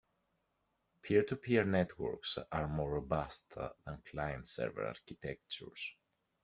Peer-to-peer networks are more robust than client-server architectures.